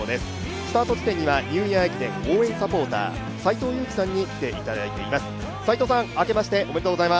スタート地点にはニューイヤー駅伝応援サポーター、斎藤佑樹さんに来ていただいています。